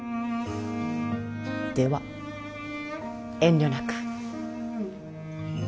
では遠慮なく。